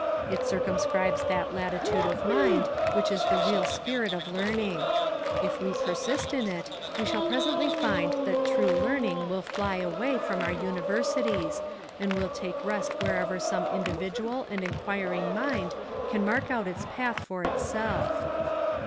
It circumscribes that latitude of mind which is the real spirit of learning. If we persist in it we shall presently find that true learning will fly away from our universities and will take rest wherever some individual and enquiring mind can mark out its path for itself.